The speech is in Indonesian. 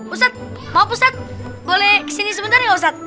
ustadz maaf ustadz boleh kesini sebentar ya ustadz